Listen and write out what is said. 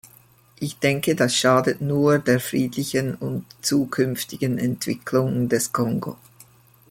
Ich denke, das schadet nur der friedlichen und zukünftigen Entwicklung des Kongo.